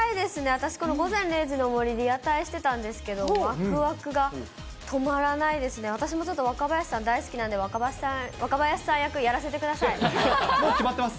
私、これ午前０時の森、リアタイしてたんですけど、わくわくが止まらないですね、私もちょっと若林さん、大好きなんで、若林さん役やもう決まってます。